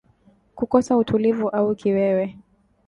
Kukosa utulivu au Kiwewe